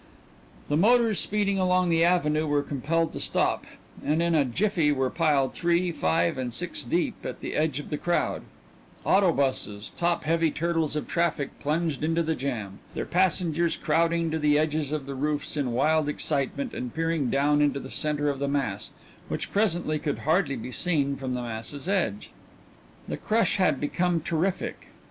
The motors speeding along the avenue were compelled to stop, and in a jiffy were piled three, five, and six deep at the edge of the crowd; auto busses, top heavy turtles of traffic, plunged into the jam, their passengers crowding to the edges of the roofs in wild excitement and peering down into the centre of the mass, which presently could hardly be seen from the mass's edge. The crush had become terrific.